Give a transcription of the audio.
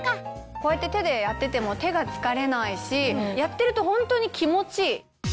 こうやって手でやってても手が疲れないしやってるとホントに気持ちいい。